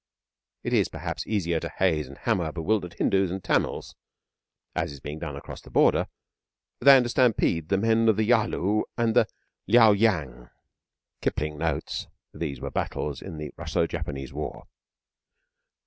It is, perhaps, easier to haze and hammer bewildered Hindus and Tamils, as is being done across the Border, than to stampede the men of the Yalu and Liaoyang. [Footnote 5: Battles in the Russo Japanese War.